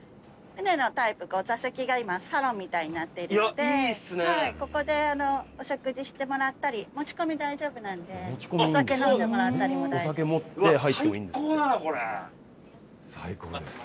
船のタイプ、お座席がサロンみたいになっているので、ここでお食事してもらったり、持ち込み大丈夫なんで、お酒飲んでもらったりも大丈夫です。